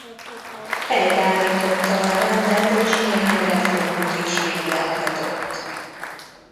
Helyreállította a rendet és néhány reformot is végrehajtott.